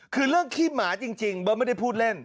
คือเรื่องขี้หมาจริงเบิร์ตไม่ได้พูดเล่น